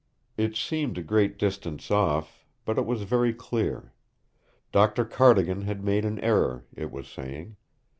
It seemed a great distance off, but it was very clear. Doctor Cardigan had made an error, it was saying.